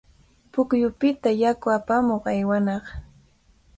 Pukyupita yaku apamuq aywanaq.